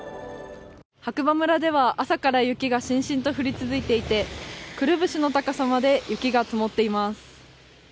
白馬村では、朝から雪がしんしんと降り続いていてくるぶしの高さまで雪が積もっています。